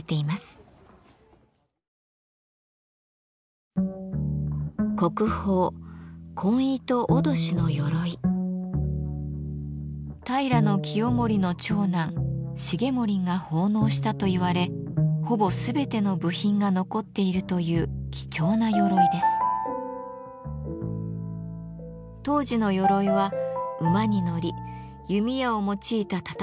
当時の鎧は馬に乗り弓矢を用いた戦いに適した形。